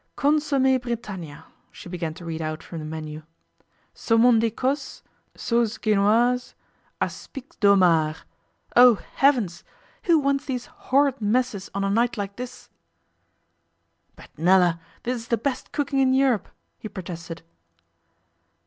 'Consommé Britannia,' she began to read out from the menu, 'Saumon d'Ecosse, Sauce Genoise, Aspics de Homard. Oh, heavens! Who wants these horrid messes on a night like this?' 'But, Nella, this is the best cooking in Europe,' he protested.